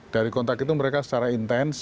dari kontak itu mereka secara intens